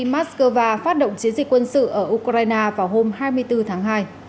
moscow phát động chiến dịch quân sự ở ukraine vào hôm hai mươi bốn tháng hai